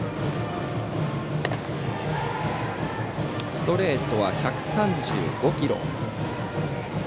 ストレートは１３５キロ。